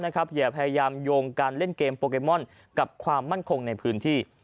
อย่าพยายามโยงการเล่นเกมโปเกมอนกับความมั่นคงในพื้นที่